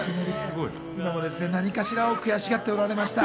今も何かしらを悔しがっておられました。